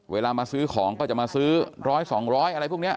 เวลามาซื้อของก็จะมาซื้อ๑๐๐๒๐๐อะไรพวกนี้